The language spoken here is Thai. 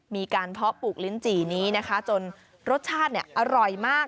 เพาะปลูกลิ้นจี่นี้นะคะจนรสชาติอร่อยมาก